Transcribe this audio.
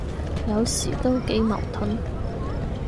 有時都幾矛盾，